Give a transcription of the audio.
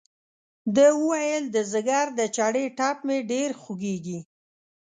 ده وویل د ځګر د چړې ټپ مې ډېر خوږېږي.